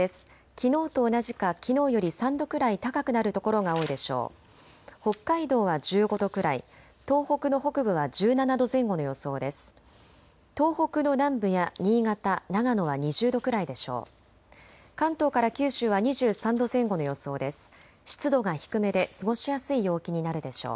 きのうと同じかきのうより３度くらい高くなる所が多いでしょう。